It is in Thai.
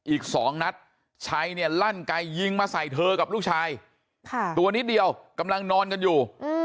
อีก๒นัดชัยเนี่ยลั่นไกยิงมาใส่เธอกับลูกชายตัวนิดเดียวกำลังนอนกันอยู่